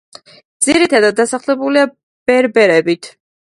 ძირითადად დასახლებულია ბერბერებით.